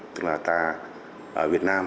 tức là ta ở việt nam